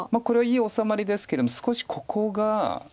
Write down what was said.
これはいい治まりですけども少しここが。